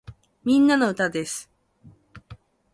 みんなの歌です